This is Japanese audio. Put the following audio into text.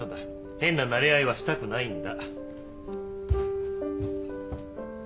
変ななれ合いはしたくないんだ。